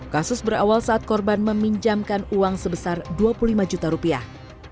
kasus berawal saat korban meminjamkan uang sebesar dua puluh lima juta rupiah